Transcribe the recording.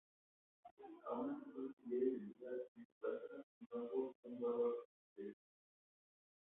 Aun así fue exhibida y vendida en subasta, y no por un bárbaro argelino.